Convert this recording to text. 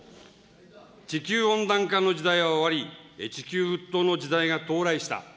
地球温暖化の時代は終わり、地球沸騰の時代が到来した。